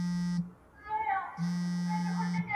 تاریخي آثارو ئې نقش تائید کړ.